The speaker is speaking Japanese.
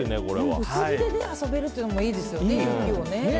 薄着で遊べるというのもいいですよね。